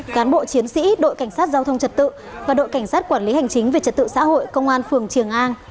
cán bộ chiến sĩ đội cảnh sát giao thông trật tự và đội cảnh sát quản lý hành chính về trật tự xã hội công an phường triềng an